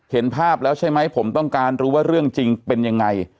เห็นภาพแล้วใช่ไหมผมต้องการรู้ว่าเรื่องจริงเป็นยังไง